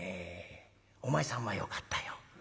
お前さんはよかったよ。